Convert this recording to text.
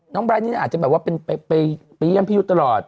น้องไบ้นี่อาจจะไปเยี่ยมพี่ยุทธ์ตลอด